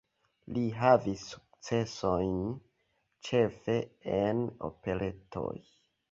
Li havis sukcesojn ĉefe en operetoj.